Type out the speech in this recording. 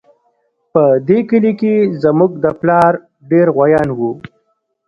په دې کلي کې زموږ د پلار ډېر غويان وو